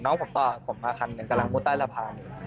น้องผมต่อผมมาคันหนึ่งกำลังมุดใต้ระผ่าน